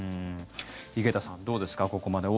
井桁さんどうですか、ここまで。